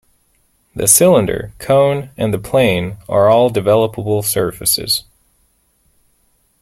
The cylinder, cone and the plane are all developable surfaces.